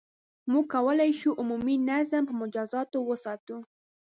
• موږ کولای شو، عمومي نظم په مجازاتو وساتو.